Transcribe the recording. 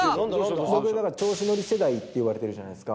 僕、だから、調子乗り世代っていわれてるじゃないですか。